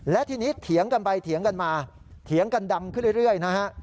และทีนี้เถียงกันไปเถียงกันมาเถียงกันดังขึ้นเรื่อยนะฮะ